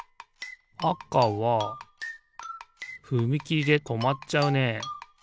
あかはふみきりでとまっちゃうね。